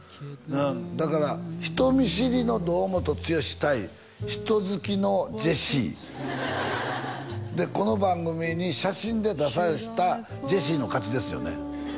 だから人見知りの堂本剛対人好きのジェシーでこの番組に写真で出させたジェシーの勝ちですよね